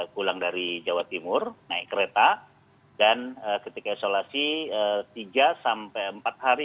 pulang dari jawa timur naik kereta dan ketika isolasi tiga sampai empat hari